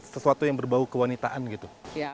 sesuatu yang berbau kewanitaan gitu